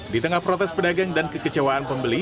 di tengah protes pedagang dan kekecewaan pembeli